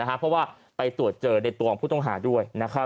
เพราะว่าไปตรวจเจอในตัวของผู้ต้องหาด้วย